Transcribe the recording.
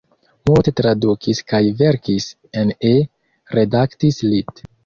Multe tradukis kaj verkis en E, redaktis lit.